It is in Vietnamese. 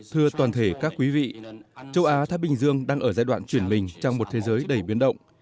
thưa toàn thể các quý vị châu á thái bình dương đang ở giai đoạn chuyển mình trong một thế giới đầy biến động